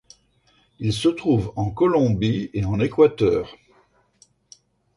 Il se trouve en Colombie et en Équateur.